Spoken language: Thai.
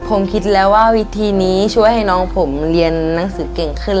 ผมคิดแล้วว่าวิธีนี้ช่วยให้น้องผมเรียนหนังสือเก่งขึ้น